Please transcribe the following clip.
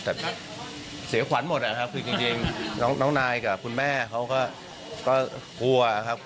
แต่เสียขวัญหมดนะครับคือจริงน้องนายกับคุณแม่เขาก็กลัวครับ